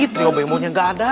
trio memonnya gak ada